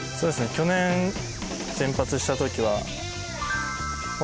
去年先発したときは。